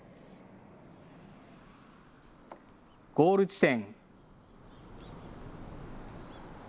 ゴール地点。